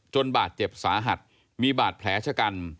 บาดเจ็บสาหัสมีบาดแผลชะกัน